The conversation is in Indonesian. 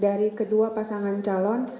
dari kedua pasangan calon